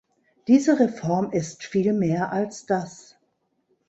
Diese Reform ist viel mehr als das.